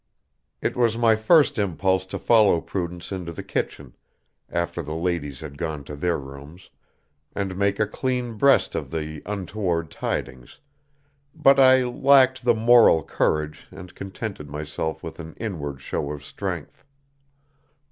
It was my first impulse to follow Prudence into the kitchen, after the ladies had gone to their rooms, and make a clean breast of the untoward tidings, but I lacked the moral courage and contented myself with an inward show of strength.